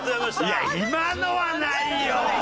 いや今のはないよ。